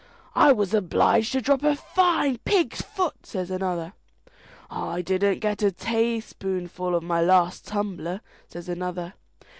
"I was obliged to drop a fine pig's foot," says another. "I didn't get a tayspoonful of my last tumbler," says another.